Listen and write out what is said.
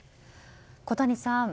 小谷さん